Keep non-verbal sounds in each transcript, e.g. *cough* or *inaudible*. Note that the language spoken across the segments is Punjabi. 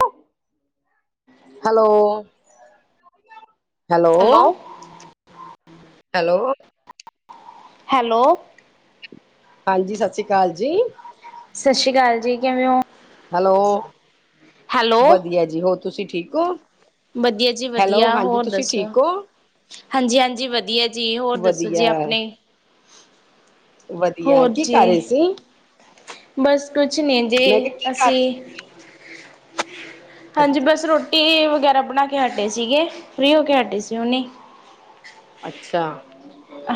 ਟੋਅ, ਹੈਲੋ ਹੈਲੋ, ਹੈਲੋ ਹੈਲੋ ਹਾਂਜੀ ਸਸੀ਼ ਕਾਲ ਜੀ। ਸਸੀ਼ ਕਾਲ ਜੀ, ਕਿਵੇਂ ਓ। ਹੈਲੋ, ਵਦੀਆ ਜੀ ਹੋਰ ਤੁਸੀਂ ਠੀਕ ਓ? ਵਦੀਆ ਜੀ, ਵਦੀਆ ਹੋਰ ਦੱਸੋ ਹੋ? ਹਾਂਜੀ, ਹਾਂਜੀ ਵਦੀਆ ਜੀ ਹੋਰ ਦੱਸੋ ਜੀ ਵਧੀਆ ਆਪਣੀ। *inaudible* ਹੋਰ ਕੀ ਕਰ ਰਹੇ ਜੀ, ਸੀ? ਬਸ ਕੁਛ ਨੀ ਮੈਂ ਜੀ, ਕਿਹਾ ਕੀ ਕਰ ਅਸੀਂ ਰਹੇ ਸੀ? ਹਾਂਜੀ ਅੱਛਾ ਬਸ ਰੋਟੀ, ਵਗੈਰਾ ਬਣਾ ਕੇ ਹਟੇ ਸੀਗੇ, ਫ੍ਰਰੀ ਹੋ ਕੇ ਹਟੇ ਸੀ ਓਨੀ। ਅੱਛਾ।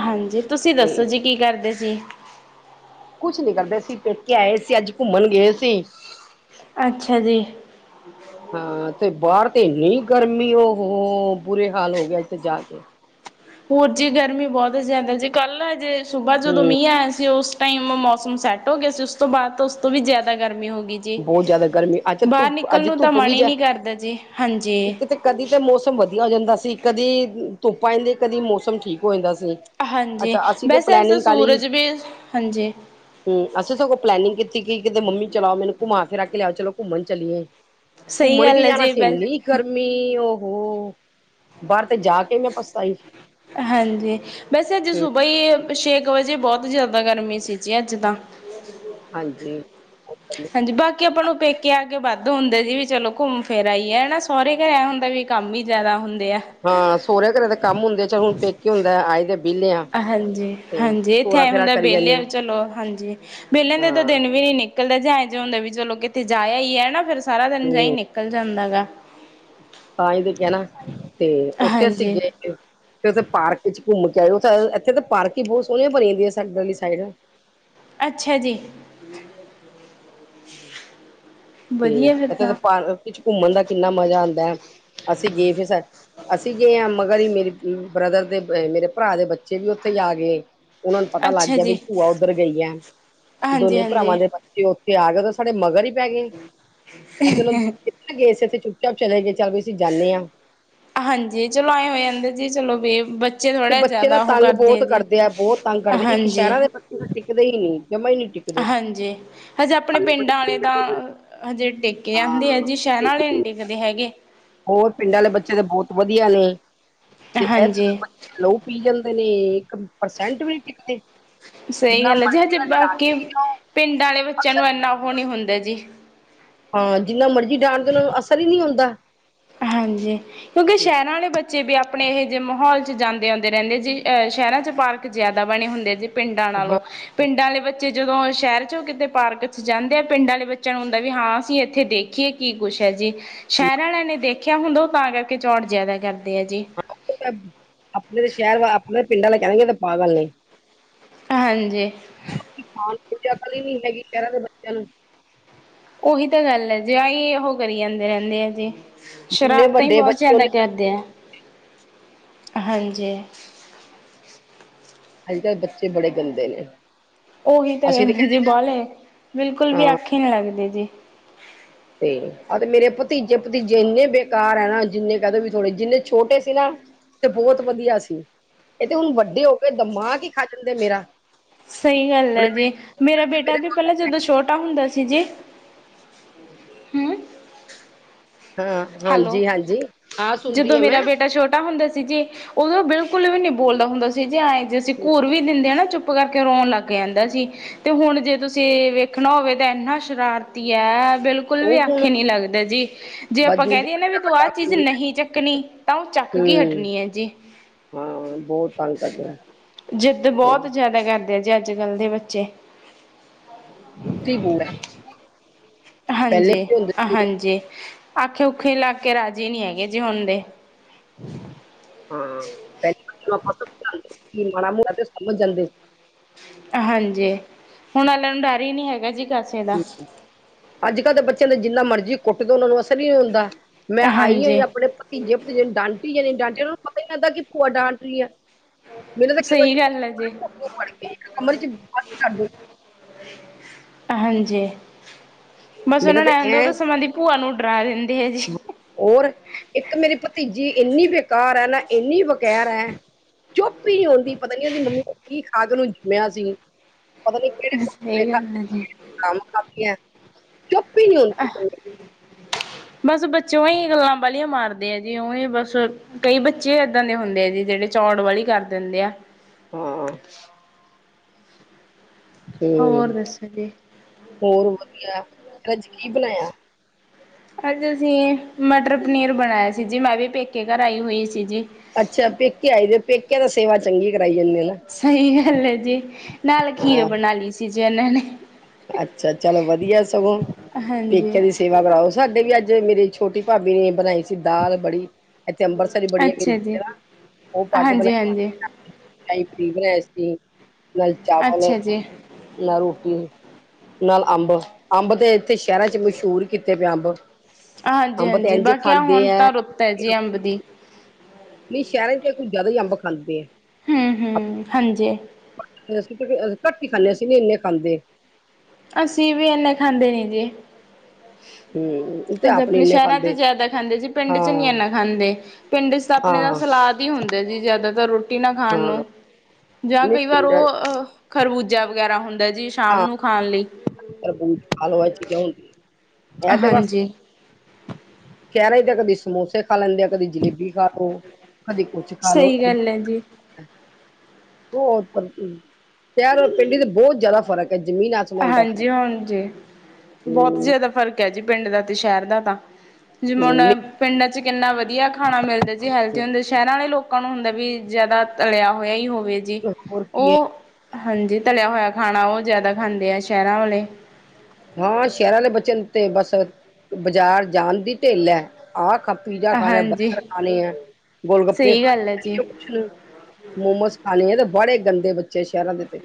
ਹਾਂਜੀ ਤੁਸੀਂ ਤੇ ਦੱਸੋ ਜੀ ਕੀ ਕਰਦੇ ਸੀ। ਕੁਝ ਨੀ ਕਰਦੇ ਸੀ ਪੇਕੇ ਆਏ ਸੀ ਅੱਜ ਘੁੰਮਣ ਗਏ ਸੀ। ਅੱਛਾ ਜੀ। *unintelligible* ਹਾਂ, ਤੇ ਬਾਰ ਤੇ ਇੰਨੀ ਗਰਮੀ ਓ ਹੋ ਹੋ ਬੁਰੇ ਹਾਲ ਹੋ ਗਿਏ ਇੱਥੇ ਜਾ ਕੇ। ਪੂਜੀ ਗਰਮੀ ਬੋਤ ਜ਼ਿਆਦਾ ਜੀ ਕੱਲ੍ਹ ਆ ਜੇ ਸੁਬਾ ਜਦੋਂ ਹੂੰ ਮੀਂ ਆਇਆ ਸੀ ਉਸ ਟਾਈਮ ਮੋਸਮ ਸੈੱਟ ਓ ਗਿਆ ਸੀ ਉਸ ਤੋਂ ਬਾਦ ਤਾਂ ਉਸ ਤੋਂ ਵੀ ਜਿਆਦਾ ਗਰਮੀ ਹੋ ਗਈ ਜੀ, ਬਹੁਤ ਜ਼ਿਆਦਾ ਗਰਮੀ ਅੱਜ ਬਾਰ ਧੁੱਪ ਨਿਕਲ ਅੱਜ ਨੂੰ ਤਾਂ ਧੁੱਪ ਵੀ ਮਨ ਈ ਜਾ ਨਈ ਕਰਦਾ ਜੀ, ਹਾਂਜੀ। ਇੱਕ ਤੇ ਕਦੀ ਤੇ ਮੋਸਮ ਵਦੀਆ ਹੋ ਜਾਂਦਾ ਸੀ, ਕਦੀ ਧੁੱਪ ਆਂਏ ਦੀ ਮੋਸਮ ਠੀਕ ਹੋਏਂਦਾ ਸੀ। ਹਾਂਜੀ, ਅੱਛਾ ਅਸੀਂ ਤੇ ਵੈਸੇ ਅੱਜ ਤਾਂ ਪਲੈਨਿੰਗ ਸੂਰਜ ਵੀ, ਹਾਂਜੀ। ਹੁੰ, ਅਸੀਂ ਸਗੋਂ ਪਲੈਨਿੰਗ ਕੀਤੀ ਕਿ ਕਿਦੇ ਮੰਮੀ ਚੱਲ ਆਓ ਮੈਨੂੰ ਘੁੰਮਾ ਫਿਰਾ ਕੇ ਲੇਆਓ ਚਲੋ ਘੁੰਮਣ ਚਲੀਏ। ਸਹੀ ਘੁੰਮਣ ਗੱਲ ਕੀ ਹੈ ਜਾਣਾ ਜੀ ਸੀ ਵੈਸ ਇੰਨੀ ਗਰਮੀ ਓਹੋ, ਬਾਰ ਤੇ ਜਾ ਕੇ ਮੈਂ ਪਛਤਾਈ। ਹਾਂਜੀ, ਵੈਸੇ ਅੱਜ ਹੂੰ ਸੁਬਹ ਈ ਛੇ ਕੁ ਵਜੇ ਬੋਤ ਜਿਆਦਾ ਗਰਮੀ ਸੀ ਜੀ ਅੱਜ ਤਾਂ ਹਾਂਜੀ। ਹਾਂਜੀ ਬਾਕੀ ਆਪਾਂ ਨੂੰ ਪੇਕੇ ਆ ਕੇ ਵਾਧੁ ਹੁੰਦਾ ਜੀ, ਵੀ ਚਲੋ ਘੁੰਮ-ਫਿਰ ਆਈਏ ਐ ਨਾ। ਸੋਹਰੇ ਘਰ ਐ ਹੁੰਦਾ ਵੀ ਕੰਮ ਈ ਜ਼ਿਆਦਾ ਹੁੰਦੇ ਆ। ਹਾਂ ਸੋਹਰੇ ਘਰੇ ਦੇ ਕੰਮ ਹੁੰਦੇ ਆ ਚੱਲ ਹੁਣ ਪੇਕੇ ਹੁੰਦਾ ਆਏ ਦੇ ਵਿਹਲੇ ਆ। ਹਾਂਜੀ ਤੇ ਹਾਂਜੀ ਇੱਥੇ ਤੋਰਾ ਐਂ ਫੇਰਾ ਹੁੰਦਾ ਕਰੀ ਜਾਂਦੇ ਵਿਹਲਿਆ ਆ ਵੀ ਚਲੋ ਹਾਂਜੀ ਵਿਹਲਿਆਂ ਦੇ ਤਾਂ ਹਾਂ ਦਿਨ ਵੀ ਨਹੀਂ ਨਿਕ ਕੱਲੇ ਆ ਜ ਇਹ ਜਾ ਹੁੰਦਾ ਵੀ ਚਲੋ ਕਿਤੇ ਜਾ ਆਇਏ ਹੈ ਨਾ ਫਿਰ ਸਾਰਾ ਦਿਨ ਜ ਹੀ ਹੂੰ। ਨਿਕਲ ਜਾਂਦਾ ਹੈਗਾ ਤਾਂ ਹੀ ਤੇ ਕਹਿਣਾ ਤੇ ਉੱਥੇ ਅਸੀਂ ਹਾਂਜੀ ਗਏ ਫਿਰ ਉੱਥੇ ਪਾਰਕ ਚ ਘੁੰਮ ਕੇ ਆਏਓ ਓਥੇ ਇੱਥੇ ਤਾਂ ਪਾਰਕ ਹੀ ਬਹੁਤ ਸੋਹਣੀਆਂ ਬਣੀ ਦੀਆਂ ਸਾਡੀ ਗਲੀ ਸਾਈਡ ਅੱਛਾ ਜੀ ਤੇ ਵਧੀਆ ਫਿਰ ਇੱਥੇ ਤਾ ਤਾਂ ਪਾਰਕ ਵਿੱਚ ਘੁੰਮਣ ਦਾ ਕਿੰਨਾ ਮਜ਼ਾ ਆਉਂਦਾ ਹੈ ਅਸੀਂ ਗਏ ਫਿਰ ਸਾਡੇ ਅਸੀਂ ਗਏ ਹਾਂ ਮਗਰ ਹੀ ਮੇਰੀ ਬ੍ਰਦਰ ਦੇ ਬਯੇ ਮੇਰੇ ਭਰਾ ਦੇ ਬੱਚੇ ਵੀ ਉੱਥੇ ਈ ਆ ਗਏ ਉਹਨਾ ਨੂੰ ਪਤਾ ਲੱਗ ਅੱਛਾ ਗਿਆ ਜੀ ਬ ਭੂਆ ਉੱਧਰ ਗਈ ਹੈ ਹਾਂਜੀ ਦੋਨੇ ਹਾਂਜੀ ਭਰਾਵਾਂ ਦੇ ਬੱਚੇ ਉੱਥੇ ਆ ਗਏ ਸਾਡੇ ਮਗਰ ਹੀ ਪੈ ਗਏ ਅਸੀਂ ਉਹਨੂੰ ਗਏ ਸੀ ਇੱਥੇ ਚੁੱਪ ਚਾਪ ਚਲੇ ਗਏ ਚੱਲ ਵੀ ਅਸੀਂ ਜਾਂਨੇ ਹਾਂ ਹਾਂਜੀ ਚਲੋ ਆਏਂ ਹੋ ਜਾਂਦੇ ਜੀ ਚਲੋ ਬੀ ਬਚ ਫਿਰ ਬੱਚੇ ਦਾ ਤੰਗ ਬਹੁਤ ਕਰਦੇ ਆ ਬਹੁਤ ਤੰਗ ਕਰਦੇ ਇੱਕ ਹਾਂਜੀ ਸ਼ਹਿਰਾਂ ਦੇ ਬੱਚੇ ਤਾਂ ਟਿਕਦੇ ਹੀ ਨਹੀਂ ਜਮਾ ਹੀ ਨਹੀਂ ਟਿਕਦੇ ਹਾਂਜੀ ਹਜੇ ਆਪਣੇ ਪਿੰਡ ਵਾਲੇ ਤਾਂ ਹਜੇ ਟੇਕ ਜਾਂਦੇ ਹੈ ਹਾਂ ਜੀ ਤੇ ਸ਼ਹਿਰਾਂ ਆਲੇ ਨੀ ਟਿਕਦੇ ਹੈਗੇ ਹੋਰ ਪਿੰਡਾ ਵਾਲੇ ਬੱਚੇ ਤਾਂ ਬਹੁਤ ਵਧੀਆ ਨੇ ਤੇ ਇਹ ਤਾਂ ਹਾਂਜੀ ਬੱਚੇ ਲਹੂ ਪੀ ਜਾਂਦੇ ਨੇ ਇੱਕ ਪਰਸੈਂਟ ਵੀ ਨਹੀਂ ਟਿਕਦੇ ਸਹੀ ਜਿੰਨਾ ਗੱਲ ਹੈ ਜੀ ਮਰਜ਼ੀ ਹਜੇ ਨਾਲ ਬਾਕੀ ਡਾਂਟਦੇ ਜਾਓ ਪਿੰਡਾਂ ਵਾਲੇ ਬੱਚਿਆਂ ਨੂੰ ਇਨਾ ਅਸਰ ਉਹ ਨਹੀਂ ਹੁੰਦਾ ਜੀ ਹਾਂ ਜਿੰਨਾ ਮਰਜੀ ਡਾਟ ਦੋ ਉਣਾ ਨੂੰ ਅਸਰ ਹੀ ਨਹੀਂ ਹੁੰਦਾ ਹਾਂਜੀ ਕਿਉਂਕਿ ਸ਼ਹਿਰਾਂ ਵਾਲੇ ਬੱਚੇ ਵੀ ਆਪਣੇ ਇਹੋ ਜਿਹੇ ਮਾਹੌਲ ਚ ਜਾਂਦੇ ਆਉਂਦੇ ਰਹਿੰਦੇ ਜ ਅਹ ਸ਼ਹਿਰਾਂ ਚ ਪਾਰਕ ਜ਼ਿਆਦਾ ਬਣੇ ਹੁੰਦੇ ਆ ਜੀ ਪਿੰਡਾਂ ਨਾਲੋਂ ਹਾਂ ਪਿੰਡਾਂ ਵਾਲੇ ਬੱਚੇ ਜਦੋਂ ਸ਼ਹਿਰ 'ਚੋਂ ਕਿਤੇ ਪਾਰਕ 'ਚ ਜਾਂਦੇ ਆ ਪਿੰਡਾਂ ਵਾਲੇ ਬੱਚਿਆਂ ਨੂੰ ਹੁੰਦਾ ਵੀ ਹਾਂ ਅਸੀਂ ਇੱਥੇ ਦੇਖੀਏ ਕੀ ਕੁਛ ਹੈ ਜੀ ਸ਼ਹਿਰਾਂ ਵਾਲਿਆਂ ਨੇ ਦੇਖਿਆ ਹੁੰਦਾ ਉਹ ਤਾਂ ਕਰਕੇ ਚੌਣ ਜਿਆਦਾ ਕਰਦੇ ਹੈ ਜੀ ਆਪਣੇ ਤੇ ਸ਼ਹਿਰ ਵ ਆਪਣੇ ਪਿੰਡ ਵਾਲੇ ਕਹਿਣਗੇ ਏ ਤਾਂ ਪਾਗਲ ਨੇ ਹਾਂਜੀ ਖਾਣ ਪਜਾ ਕ ਨੀ ਹੈਗੀ ਕਹਿਰ ਦੇ ਬੱਚਿਆਂ ਨੂੰ ਉਹੀ ਤਾਂ ਗੱਲ ਹੈ ਜੇ ਆਹੀ ਉਹ ਕਰੀ ਜਾਂਦੇ ਰਹਿੰਦੇ ਆ ਜੀ ਜਿੰਨੇ ਸ਼ਰਾਰਤਾਂ ਹੀ ਵੱਡੇ ਬਹੁਤ ਬੱਚੇ ਜ਼ਿਆਦਾ ਉਹਨੇ ਕਰਦੇ ਆ ਹਾਂਜੀ ਅੱਜ ਕੱਲ੍ਹ ਬੱਚੇ ਬੜੇ ਗੰਦੇ ਨੇ ਉਹੀ ਤਾਂ ਅਸੀਂ ਤੇ ਕਹਿੰਦੇ ਜੀ ਨਾ ਬੋਲੇ ਬਿਲਕੁਲ ਵੀ ਹਾਂ ਆਖੀ ਨਹੀਂ ਲੱਗਦੇ ਜੀ ਆ ਤੇ ਮੇਰੇ ਭਤੀਜੇ ਭਤੀਜੇ ਇੰਨੇ ਬੇਕਾਰ ਹੈ ਨਾ ਜਿੰਨੇ ਕਹਿ ਦੋ ਵੀ ਥੋੜੇ ਜਿੰਨੇ ਛੋਟੇ ਸੀ ਨਾ ਤੇ ਬਹੁਤ ਵਧੀਆ ਸੀ ਇਹ ਤੇ ਹੁਣ ਵੱਡੇ ਹੋ ਕੇ ਦਿਮਾਕ ਹੀ ਖਾ ਜਾਂਦੇ ਮੇਰਾ ਸਹੀ ਗੱਲ ਹੁਣ ਹੈ ਜੀ ਮੇਰਾ ਬੇਟਾ ਵੀ ਪਹਿਲਾਂ ਜਦੋਂ ਛੋਟਾ ਹੁੰਦਾ ਸੀ ਜੀ ਹਮ ਹਾਂ ਹੈਲੋ ਹਾਂਜੀ ਹਾਂਜੀ ਹਾਂ ਸੁਣਦੀ ਜਦੋਂ ਆ ਮੈਂ ਮੇਰਾ ਬੇਟਾ ਛੋਟਾ ਹੁੰਦਾ ਸੀ ਜੇ ਉਦੋਂ ਬਿਲਕੁਲ ਵੀ ਨਹੀਂ ਬੋਲਦਾ ਹੁੰਦਾ ਸੀ ਜੇ ਐਂ ਜੇ ਅਸੀਂ ਘੂਰ ਵੀ ਦਿੰਦੇ ਹ ਨਾ ਚੁੱਪ ਚੁੱਪ ਕਰਕੇ ਰੋਣ ਲੱਗ ਜਾਂਦਾ ਜੀ ਤੇ ਹੁਣ ਜੇ ਤੁਸੀਂ ਵੇਖਣਾ ਹੋਵੇ ਤਾਂ ਇੰਨਾ ਸ਼ਰਾਰਤੀ ਹੈ ਬਿਲਕੁਲ ਬਿਲਕੁਲ ਉਹ ਵੀ ਹੁਣ ਆਖੇ ਨੀ ਲੱਗਦਾ ਜੀ ਜੇ ਆਪਾਂ ਬਾਜੂ ਕਹਿ ਦਏ ਨਾ ਵੀ ਤੂੰ ਆਹ ਚੀਜ਼ ਹਮ ਨਹੀਂ ਚੱਕਣੀ ਤਾਂ ਉਹ ਚੱਕ ਕੀ ਹਟਣੀ ਹੈ ਜੀ ਹਾਂ ਬਹੁ ਜਿੱਦ ਬਹੁਤ ਜਿਆਦਾ ਕਰਦੇ ਆ ਜੇ ਅੱਜ ਕੱਲ੍ਹ ਦੇ ਬੱਚੇ ਜਿੱਦੀ ਬਹੁਤ ਹ ਹਾਂਜੀ ਹਾਂਜੀ ਆਖੇ ਔਖੇਲੱਗ ਕੇ ਰਾਜੀ ਨਹੀਂ ਹੈਗੇ ਜੀ ਹੁਣ ਦੇ ਹਾਂ ਪਹਿਲਾਂ ਜੇ ਸਮਝਾਈ ਏ ਤੇ ਮਾੜਾ ਮੋਟਾ ਸਮਝ ਜਾਂਦੇ ਹਾਂਜੀ ਹੁਣ ਵਾਲੇ ਨੂੰ ਡਰ ਹੀ ਨਹੀਂ ਹੈਗਾ ਜੀ ਕਿਸੇ ਦਾ ਸੀ ਅੱਜ ਕੱਲ੍ਹ ਦੇ ਬੱਚਿਆਂ ਦਾ ਜਿੰਨਾ ਮਰਜ਼ੀ ਕੁੱਟਦੇ ਉਹਨਾਂ ਨੂੰ ਅਸਰ ਹੀ ਹੁੰਦਾ ਮੈਂ ਆਈ ਹੋਈ ਹਾਂਜੀ ਆਪਣੇ ਤੀਜੇ ਡਾਂਟੀ ਜਾਣੀ ਡਾਂਟੀ ਉਹਨ ਨੂੰ ਪਤਾ ਨ ਹੁੰਦਾ ਕਿ ਭੂਆ ਡਾਂਟ ਰ ਆ ਮੇਰਾ ਦਿਲ ਕਰਦਾ ਸਹੀ ਗੱਲ ਹੈ ਜੀ ਇਹਨਾਂ ਨੂੰ ਕੁੱਟ ਕੇ ਕਮਰੇ ਚ ਬੰਦ ਕਰਦਾ ਹਾਂਜੀ। ਬਸ ਮੇਰਾ ਓਨਾਂ ਨੂੰ ਤੇ ਐਂ ਹੁੰਦਾ ਭੀ ਐ ਤਾਂ ਸੁਮਨ ਦੀ ਭੂਆ ਨੂੰ ਉਡਰਾ ਦੇਂਦੀ ਆ ਜੀ। ਹੋਰ, ਇੱਕ ਮੇਰੀ ਭਤੀਜੀ ਇੰਨੀ ਕਾਰ ਐ ਨਾ ਏਨੀ ਬਾਕੈਰ ਐ, ਚੁੱਪ ਈ ਨੀ ਹੋਂਦੀ ਪਤਾ ਨੀ ਉਹਦੀ ਮੰਮੀ ਨੇ ਕੀ ਅੱਗ ਨੂੰ ਜਮਿਆ ਸੀ ਸਹੀ ਗੱਲ ਹੈ ਜੀ *inaudible* ਚੁੱਪ ਈ ਨੀ ਹੋਂ ਬਸ ਬੱਚੇ ਓਂਈ ਗੱਲਾਂ ਬਾਲੀਆਂ ਮਾਰਦੇ ਆ ਜੀ ਓਂੲ ਬਸ ਕਈ ਬੱਚੇ ਏਦਾਂ ਦੇ ਹੁੰਦੇ ਆ ਜੀ ਜੇੜੇ ਚੌਂੜ ਬਾਲੀ ਕਰਦੇ ਹੁੰਦੇ ਆ। ਹਾਂ ਤੇ, ਹੋਰ ਦੱਸੋ ਜੀ ਹੋਰ ਵਦੀਆ, ਅੱਜ ਕੀ ਬਣਾਇਆ? ਅੱਜ ਅਸੀਂ, ਮਟਰ ਪਨੀਰ ਬਨਾਇਆ ਸੀ ਜੀ ਮੈਂ ਵੀ ਪੇਕੇ ਘਰ ਆਈ ਹੋਈ ਸੀ ਜੀ। ਅੱਛਾ, ਪੇਕੇ ਆਏ ਜੇ ਪੇਕੇ ਦਾ ਸੇਵਾ ਚੰਗੀ ਕਰਾਈ ਜਾਂਨੇ ਨਾ। ਸਹੀ ਗੱਲ ਹੈ ਜੀ, ਨਾਲ ਖੀ ਹਾਂ ਬਣਾਲੀ ਸੀ ਜੇ ਓਨਾਂ ਨੇ। ਅੱਛਾ, ਚਲ ਵਦੀਆ ਸਗੋਂ ਹਾਂਜੀ ਪੇਕਿਆ ਵਾ ਕਰਾਓ ਸਾਡੇ ਵੀ ਅੱਜ ਮੇਰੇ ਛੋਟੇ ਭਾਬੀ ਨੇ ਬਣਾਈ ਸ ਦਾਲ ਬੜੀ, ਇੱਥੇ ਅੰਮਬਰਤਸਰੀ ਬੜੀਆ ਮਿਲ ਅੱਛਾ ਜੀ ਦੀਆਂ ਨਾ, ਉ ਪਾ ਕੇ ਬਣਾ ਹਾਂਜੀ ਹਾਂਜੀ ਅਈ ਪਨ ਬਨਾਇਆ ਸੀ, ਨਾਲੇ ਚਾਵਲ ਅੱਛਾ ਜੀ ਨ ਰੋਟੀ। ਨਾਲ ਅੰਬ, ਅੰਬ ਤੇ ਏਥੇ ਸ਼ਹਿਰਾਂ ਚ ਮਸੂ਼ਰ ਕੀਤੇ ਪਏ ਅੰਬ। ਹਾਂਜੀ ਅੰਬ ਤੇ -ਹਾਂਜੀ, ਇੰਝ ਬਾਕਿਆ ਖਾਂਦੇ ਹੁਣ ਹੈ ਤਾਂ ਰੁੱਤ ਆ ਜੀ ਅੰਬ ਦੀ। ਨੀ ਸੈ਼ਰਾਂ ਚ ਕੁਝ ਯਾਦਾ ਈਅੰਬ ਖਾਂਦੇ ਆ। ਹੂੰ-ਹੂੰ, ਹਾਂਜੀ *inaudible* ਅਸੀਂ ਘੱਟ ਈ ਖਾਨੇਂ ਅਸੀਂ ਨੀ ਏਨੇ ਖਾਂਦੇ ਅਸੀਂ ਵੀ ਐਂਨੇ ਖਾਂਦੇ ਨੀ ਜੀ *unintelligible* ਤੇ ਹਜੇ ਆਪ ਨੀ ਅਪਨੇ ਇੰਨੇ ਸੈ਼ਰਾ ਚ ਖਾਂਦੇ ਯਾਦਾ ਖਾਂਦੇ ਜੀ ਪਿੰਡ ਚ ਨੀ ਹਾਂ, ਐਨਾ ਖਾਂਦੇ। ਪਿੰਡ ਚ ਅਪਨੇ ਤਾਂ ਹਾਂ, ਸਲਾਦ ਈ ਹੁੰਦਾ ਜੀ ਯਾਦਾਤਾਰ ਰੋਟੀ ਨਾ ਖਾਣ ਹਾਂ ਨੂੰ। ਜਾਂ ਨਹੀਂ ਕਈ ਵਾਰ ਪਿੰਡਾਂ ਉ ਅ ਖਰਵੂਜਾ ਵਗੈਰਾ ਹੁੰਦਾ ਜੀ ਸ਼ਾਮ ਨੂੰ ਖਾਣ ਲਈ *inaudible* ਹਾਂਜੀ ਕੈ ਰਏ *unintelligible* ਸਮੋਸੇ ਖਾ ਲੈਂਦੇ ਆ ਕਦੇ ਜਲੇਬੀ ਖਾ ਲੋ, ਕਦੇ ਕੁਛ ਖਾ ਲੋ ਸਹੀ ਗੱਲ ਹੈ ਜੀ *unintelligible* ਸੈ਼ਰ ਔਰ ਪੇਂਡੀ ਤੇ ਬੋ ਯਾਦਾ ਫ਼ਰਕ ਹੈ ਜ਼ਮੀਨ ਆਸਮਾਨ ਦਾ ਫ਼ਰਕ ਆਜੀ ਹੋਣ ਜੀ, ਬਹੁਤ ਹੂੰ, ਜ਼ਿਆਦਾ ਫ਼ਰਕ ਕ ਜੀ ਪਿੰਡ ਦਾ ਤੇ ਸ਼ਹਿਰ ਦਾ ਤਾਂ, ਜਿਵੇ ਹੁਨ ਹੂੰ ਪਿੰਡਾਂ ਚ ਕਿੰਨਾ ਵਦੀਆ ਖਾਣਾ ਮਿਲ ਹੈਲਥੀ ਹੁੰਦੇ ਸੈ਼ਰਾ ਵਾਲੇ ਲੋਕਾਂ ਨੂੰ ਹੁੰਦਾ ਵੀ, ਜ਼ਿਆਦਾ ਤਲਿਆ ਹੋਇਆ ਈ ਹੋਵੇ ਜੀ ਹੋਰ ਓ, ਕੀ ਹੈ ਹਾਂਜੀ ਤਲਿਆ ਹੋਇਆ ਖਾਣਾ ਓ ਯਾਦਾ ਖਾਂਦੇ ਆ ਸ਼ਹਿਰਾਂ ਵਾਲੇ ਨਾਂ ਸੈ਼ਰਾਂ ਅਲ ਬਚਨ ਤੇ ਬਸ ਬਾਜ਼ਾਰ ਜਾਣ ਦੀ ਢਿੱਲ ਐ ਆ ਖ ਪੀਜ਼ਾ ਖਾਣਾ ਹਾਂਜੀ ਬਰਗਰ ਖਾਣੇ ਆ ਗੋਲ ਗੱਪੇ ਸਹੀ ਗੱਲ ਹੈ ਜੀ ਖਾਣੇ ਕੁਛ ਨੂੰ ਮੋਮੋਸ ਖਾਣੇ ਆ ਤੇ ਬਾੜੇ ਗੰਦੇ ਬੱਚੇ ਸ ਸੈ਼ਰਾਂ ਦੇ ਤੇ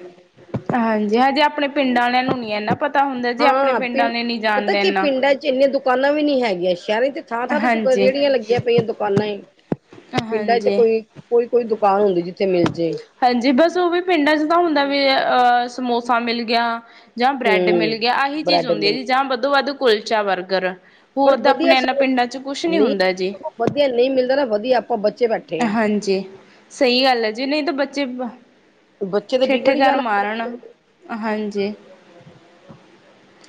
ਹਾਜੀ ਹਾ ਜੀ ਆਪਣੇ ਪਿੰਡ ਵਾਲਿਆਂ ਨੂੰ ਨੀ ਐਨਾ ਪਤਾ ਹੁੰਦਾ ਜੇ ਆਪਣੇ ਪਿੰਡ ਵਾਲੇ ਨੀ ਜਾਨਦੇ ਏਨਾ ਪਿੰਡ ਚ ਏਨੀਆਂ ਦੁਕਾਨਾਂ ਵੀ ਨੀ ਹੈਗੀਆਂ ਸੈ਼ਰਾਂ ਚ ਥਾਂ -ਥਾਂ ਤੇ ਦੁ ਹਾਂਜੀ ਰੇਹੜੀਆਂ ਲੱਗੀਆਂ ਪਈਆਂ ਦੁਕਾਨਾਂ ਏ ਪਿੰਡਾਂ ਚ ਤਾਂ ਹਾਂਜੀ ਕੋਈ, ਕੋਈ -ਕੋਈ ਦੁਕਾਨ ਹੁੰਦੀ ਜਿੱਥੇ ਮਿਲ ਜੇ ਹਾਂਜੀ ਬਸ ਓਵੀ ਪਿੰਡਾਂ ਚ ਤਾਂ ਹੁੰਦਾ ਵੀ, ਆ ਸਮੋਸਾ ਮਿਲ ਗਿਆ ਜਾਂ ਬ੍ਰੇਡ ਮਿਲ ਹੂੰ। ਗਿਆ ਆਹੀ ਚੀਜ਼ ਬ੍ਰੈਡ ਹੁੰਦੀ ਆ ਮਿਲ ਜੀ ਜਾਂ ਵੱਧੋ ਵੱਧ ਕੁਲਚਾ ਬਰਗਰ ਪਰ ਹੋਰ ਤਾਂ ਆਪਨੇ ਏਨਾ ਪਿੰਡਾਂ ਚ ਕੁਛ ਨੀ ਹੁੰਦਾ ਜੀ ਵਦੀਆ ਨਈ ਮਿਲਦਾ ਤ ਵਦੀਆ ਆਪਾਂ ਬਚੇ ਬੈਠੇ ਆ ਹਾਂਜੀ, ਸੲਈ ਗੱਲ ਆਜੀ ਨਈ ਤਾਂ ਬੱਚੇ ਬੱਚੇ ਤੇ ਠਿੱਠ ਵਿਗੜ ਈ ਕਰ ਜਾਣਾ ਮਾਰਨ, ਹਾਂਜੀ।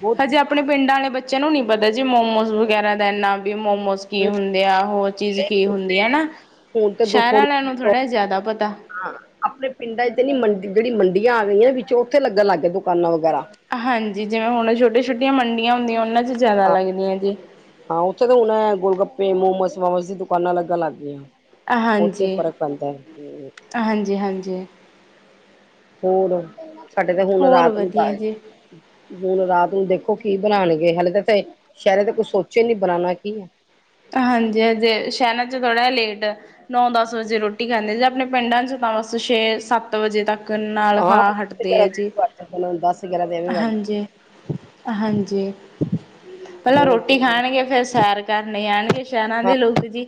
ਬੋਤ ਹਜੇ ਆਪਨੇ ਪਿੰਡਾਂ ਆਲੇ ਬੱਚਿਆਂ ਨੂੰ ਨੀ ਪਤਾ ਜੀ ਮੋਮੋਸ ਵਗੈਰਾ ਦਾ ਐਨਾ ਬੀ ਮੋਮੋਸ ਕੀ ਹੁੰਦੇ ਆ ਹੋਰ ਚੀਜ਼ ਕੀ ਹੁੰਦੀ ਆ ਨਾ, ਹੁਣ ਸ਼ਹਿਰ ਵਾਲਿਆਂ ਨੂੰ ਥੋੜ੍ਹਾ ਜ਼ਿਆਦਾ ਪਤਾ ਹਾਂ ਆਪਣੇ ਪਿੰਡਾਂ ਤੇ ਨੀ ਮੰਡੀ ਜਿਹੜੀ ਮੰਡੀਆਂ ਆ ਗਈਆਂ ਨੇ, ਵਿੱਚੋਂ ਉੱਥੇ ਲੱਗਣ ਲੱਗ ਗਏ ਦੁਕਾਨਾਂ ਵਗੈਰਾ ਹਾਂਜੀ ਜਿਵੇਂ ਹੁਣ ਛੋਟੀਆਂ- ਛੋਟੀਆਂ ਮੰਡੀਆਂ ਹੁੰਦੀਆਂ ਉਹਨਾਂ 'ਚ ਜ਼ਿਆਦਾ ਹਾਂ। ਲੱਗਦੀਆਂ ਜੀ ਹਾਂ ਉੱਥੇ ਤਾਂ ਹੁਣ ਏ ਗੋਲ ਗੱਪੇ, ਮੋਮਸ ਵੋਾਮਸ ਦੀ ਦੁਕਾਨਾਂ ਲੱਗਣ ਲੱਗ ਗਈਆਂ ਉੱਥੇ ਹਾਂਜੀ- ਫ਼ਰਕ ਪੈਂਦਾ ਹੂੰ। ਹਾਂਜੀ -ਹਾਂਜੀ ਹੋਰ ਸਾਡੇ ਤੇ ਹੁਣ ਹੋਰ ਰਾਤ ਨੂੰ ਵਧੀਆ ਪਾਏ ਜੀ। ਹੁਣ ਰਾਤ ਨੂੰ ਦੇਖੋ ਕੀ ਬਣਾਉਣਗੇ, ਹਾਲੇੇ ਤਾਂ ਸ਼ਹਿਰੇ ਤੇ ਕੁਛ ਸੋਚੇ ਨੀ ਬਣਾਉਣਾ ਕੀ ਹੈ ਹਾਂਜੀ-ਹਾਜੀ, ਸ਼ਹਿਰਾ ਚ ਥੋੜ੍ਹਾ ਲੇਟ ਨੌ ਦਸ ਵਜੇ ਰੋਟੀ ਖਾਂਦੇ ਜੇ, ਆਪਣੇ ਪਿੰਡਾਂ ਚ ਤਾਂ ਬਸ ਛੇ ਸੱਤ ਵਜੇ ਤੱਕ ਗਣ ਨਾਲ ਹਾਂ ਖਾ ਹਟਦੇ ਆ ਜੀ ਦਸ ਗਿਆਰਾਂ ਦੇ ਐਵੇਂ ਵੱਜ ਹਾਂਜੀ ਹਾਂਜੀ, ਪਹਿਲਾਂ ਬਹੁਤ ਰੋਟੀ ਖਾਣਗੇ, ਫੇਰ ਸੈਰ ਕਰਨ ਆਣਗੇ ਸ਼ਹਿਰਾਂ ਹਾਂ ਦੇ ਲੋਕੀ ਜੀ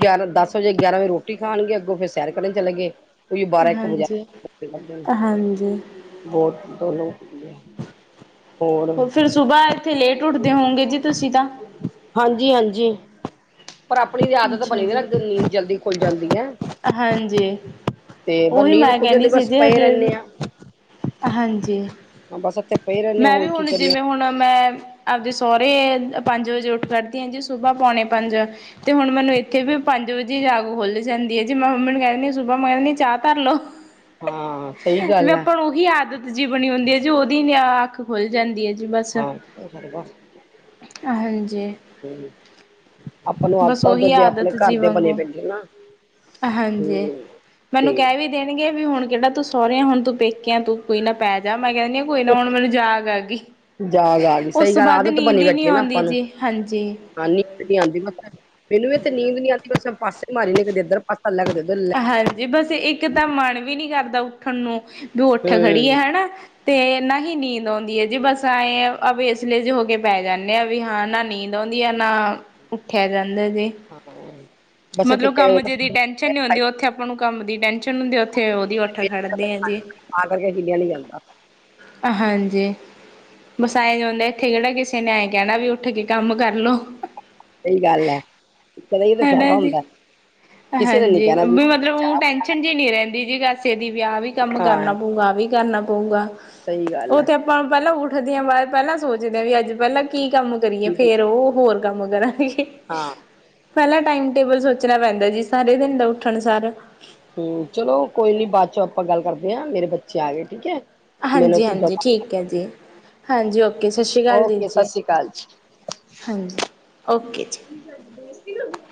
ਗਿਆਰਾਂ ਦਸ ਵਜੇ ਗਿਆਰਾਂ ਵਜੇ ਰੋਟੀ ਖਾਣਗੇ, ਅੱਗੋਂ ਫੇਿਰ ਸੈਰ ਕਰਨ ਚਲੇ ਗਏ ਕੋ ਬਾਰਾਂ ਇੱਕ ਵਜ ਹਾਂਜੀ, ਹਾਂਜੀ ਬਹੁਤ ਦ ਹੋਰ ਸੁਬਾਹ ਇੱਥੇ ਲੇਟ ਉੱਠਦੇ ਹੋਗੇ ਜੀ ਤੁਸੀਂ ਤਾਂ ਹਾਂਜੀ -ਹਾਂਜੀ ਪਰ ਆਪਣੀ ਵੀ ਆਦਤ ਅੱਛਾ ਬਣੀ ਦੀ ਨਾ, ਜੀ, ਨੀਂਦ ਜਲਦੀ ਖੁੱਲ ਜਾਂਦੀ ਹੈ ਹਾਂਜੀ ਤੇ ਬ ਉਹੀ ਨੀਂਦ ਮੈਂ ਖੁੱਲ ਜਾਂਦੀ, ਕਹਿੰਦੀ ਸੀ ਬਸ ਜੀ ਪਏ ਹਜੇ ਰਹਿੰਨੇ ਆ ਹਾਂਜੀ *unintelligible* ਮੈਂ ਵੀ ਹੋਰ ਕੀ ਹੁਣ, ਕਰੀਏ ਜਿਵੇਂ ਹੁਣ ਮੈਂ ਆਪਦੇ ਸਹੁਰੇ ਪੰਜ ਵਜੇ ਉੱਠ ਕਰੱਦੀ ਹਾਂ ਜੀ, ਸੁਬਹ ਪੌਣੇ ਪੰਜ ਤੇ ਹੁਣ ਮੈਨੂੰ ਇੱਥੇ ਵੀ ਪੰਜ ਵਜੇ ਜਾਗੂ ਖੁੱਲ ਜਾਂਦੀ ਹੈ, ਜੇ ਮੈਂ ਹ ਮੈਨ ਕਹਿੰਦੀ ਸ਼ ਸੁਭਾ ਮੈਂ ਮੀ ਚਾਹ ਤਾਰ ਲੋ, ਹਾਂ ਸਹੀ ਵੀ ਗੱਲ ਹੈ ਆਪਣ ਹੀ ਆਦਤ ਜੀ ਬਣੀ ਹੁੰਦੀ ਹੈ ਜੀ, ਉਹਦੀ ਅੱਖ ਖੁੱਲ ਜਾਂਦੀ ਹੈ ਜੀ ਬਸ, ਹਾਂ ਬਸ ਹਾਂਜੀ ਹਮ ਆਪਾਂ ਨੂੰ ਬਸ ਆਦਤਾਂ ਉਧਰ ਉਹੀ ਦੇ ਆਪਣੇ ਆਦਤ ਘਰ ਜੀ ਦੇ ਬਣੇ ਵਾਂਗੂ ਬੈਠੇ ਨਾ ਹਾਂਜੀ, ਹਮ ਤੇ ਮੈਨੂੰ ਕਹਿ ਵੀ ਕਹਿਣਗੇ ਵੀ ਹੁਣ ਕਿਹੜਾ ਤੂੰ ਸਹੁਰਰਿਆ ਹੁਣ ਤੂੰ ਪੇਕਿਆ ਹੈਂ, ਤੂੰ ਕੋਈ ਨਾ ਪੈ ਜਾ, ਮੈਂ ਕਹਿੰਦੀ ਕੋਈ ਨਾ ਹੁਣ ਮੈਨੂੰ ਜਾਗ ਆ ਗਈ, ਜਾਗ ਆ ਗਈ ਉਸ ਸਹੀ ਤੋਂ ਗੱਲ ਬਾਅਦ ਆਦਤ ਨੀਂਦ ਬਣੀ ਹੀ ਨਹੀਂ ਆਉਂਦੀ ਜੀ, ਹਾਂਜੀ ਨੀਦ ਨੀ ਆਂਦੀ, ਮੈਨੂੰ ਵੀ ਤੇ ਨੀਂਦ ਨੀ ਆਂਦੀ, ਬਸ ਪਾਸੇ ਹੀ ਮਾਰੀ ਨੇ, ਕਿਦੇ ਇੱਧਰ ਪਾਸਾ ਲੈ, ਕਦੇ ਉੱਧਰ ਹਾਂਜੀ ਬਸ ਇੱਕ ਤਾਂ ਮਨ ਵੀ ਨੀ ਕਰਦਾ ਉੱਠਣ ਨੂੰ, ਵੀ ਉਹ ਉੱਠ ਖੜੀ ਹੈ ਹਮ ਹੈਨਾ ਤੇ ਨਾ ਹੀ ਨੀਂਦ ਆਉਂਦੀ ਹੈ, ਜੀ ਬਸ ਐਏਂ ਵੇਸਲੇ ਜਏ ਹੋ ਕੇ ਪੈ ਜਾਂਦੇ ਆ ਵੀ ਹਾਂ ਨਾ ਨੀਂਦ ਨਾ ਨੀਂਦ ਆਂਦੀ ਐ, ਨਾ ਉੱਠਿਆ ਜਾਂਦਾ ਜੀ, ਹਾਂ ਬਸ ਮਗਰੋਂ ਤੇ ਕੰਮ ਜੇ ਦੀ ਟੈਨ ਹ ਉੱਥੇ ਆਪਾਂ ਨੂੰ ਕੰਮ ਦੀ ਟੈਨਸ਼ਨ ਹੁੰਦੀ, ਉੱਥੇ ਉਹਦੀ ਉਠ ਖੜਦੇ ਆ ਜੀ ਤਾਂ ਕਰਕੇ ਹਿੱਲਿਆ ਨੀ ਜਾਂਦਾ ਹਾਂਜੀ ਵਸਾ ਐਵੇ ਇੱਥੇ ਕਿਹੜਾ ਕਿਸੇ ਨੇ ਐਂ ਕਹਿਣਾ, ਵੀ ਉੱਠ ਕੇ ਕੰਮ ਕਰ ਲਉ ਸਹੀ ਗੱਲ ਹੈ ਕਹਿੰਦਾ ਇਹ ਤਾਂ ਹੈਨਾ ਫਾਇਦਾ ਜੀ ਹੁੰਦਾ ਕਿਸੇ ਨੇ ਨੀ ਹਾਂਜੀ ਕਹਿਣਾ ਬ ਵੀ ਫਿਰ ਓਹ ਚਾਹ ਟੈਨਸ਼ਨ ਜਿਹੀ ਨੀ ਰਹਿੰਦੀ ਜੀ ਕਸੇ ਦੀ, ਵੀ ਆਹ ਵੀ ਕੰਮ ਕਰਨਾ ਹਾਂ ਪਊ, ਆਹ ਵੀ ਕਰਨਾ ਪਊਗਾ ਸਹੀ ਗੱਲ ਉਹ ਹੈ ਤੇ ਆਪਾਂ ਪਹਿਲਾਂ ਉੱਠਦੇ ਹਾਂ ਬਾਅਦ, ਪਹਿਲਾਂ ਸੋਚਦੇ ਹਾਂ ਵੀ ਅੱਜ ਪਹਿਲਾਂ ਕੀ ਕੰਮ ਕਰੀਏ, ਕੀ ਫੇਰ ਉਹ ਹੋਰ ਕੰਮ ਕਰਾਂਗੇ ਹਾਂ ਪਹਿਲਾਂ ਟਾਈਮ ਟੇਬਲ ਸੋਚਣਾ ਪੈਂਦਾ ਜੀ, ਸਾਰੇ ਦਿਨ ਦਾ ਉੱਠਣ ਸਾਰ ਹੂ, ਚਲੋ ਕੋਈ ਨੀ ਬਾਅਦ ਚੋਂ ਆਪਾਂ ਗੱਲ ਕਰਦੇ ਆਂ, ਮੇਰੇ ਬੱਚੇ ਆ ਗਏ, ਠੀਕ ਹੈ ਮੈਨੂੰ ਹਾਂਜੀ ਕੁਝ ਹਾਂਜੀ ਦਵਾ, ਠੀਕ ਹੈ ਜੀ, ਹਾਂਜੀ ਓਕੇ ਓ ਸਤਿ ਸ਼੍ਰੀ ਅਕਾਲ ਦੀ ਓਕੇ ਸਤਿ ਜੀ, ਸ਼੍ਰੀ ਅਕਾਲ ਜੀ। ਹਾਂਜੀ ਓਕੇ ਜੀ ਬੇਸਤੀ ਕਰਦੇ